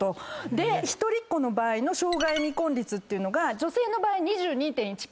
で一人っ子の場合の生涯未婚率っていうのが女性の場合２２．１％。